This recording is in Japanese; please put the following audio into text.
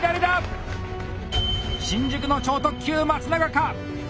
新宿の超特急・松永か？